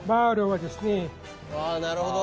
ああなるほど。